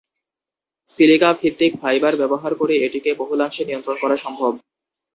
সিলিকা-ভিত্তিক fibre ব্যবহার করে এটিকে বহুলাংশে নিয়ন্ত্রণ করা সম্ভব।